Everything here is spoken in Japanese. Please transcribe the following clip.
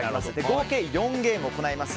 合計４ゲーム行います。